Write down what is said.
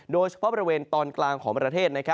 โดยเฉพาะบริเวณตอนกลางของประเทศ